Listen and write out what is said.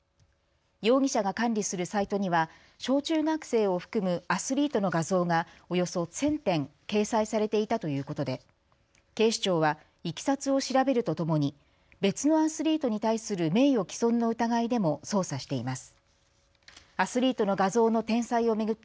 容疑者が管理するサイトには小中学生を含むアスリートの画像がおよそ１０００点掲載されていたということで警視庁は、いきさつを調べるとともに別のアスリートに対する名誉毀損の疑いでも捜査しています。